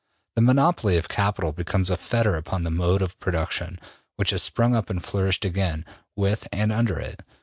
The monopoly of capital becomes a fetter upon the mode of production, which has sprung up and flourished along with, and under it.